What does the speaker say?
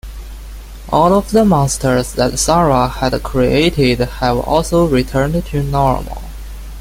All of the monsters that Sarah had created have also returned to normal.